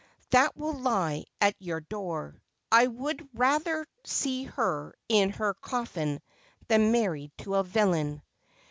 ' That will lie at your door. I would rather see her in her coffin than married to a villain.'